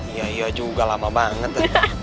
iya iya juga lama banget